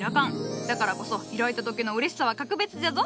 だからこそ開いた時のうれしさは格別じゃぞ。